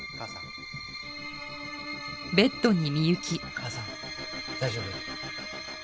母さん大丈夫？